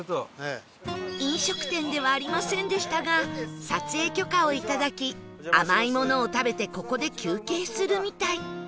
飲食店ではありませんでしたが撮影許可をいただき甘いものを食べてここで休憩するみたい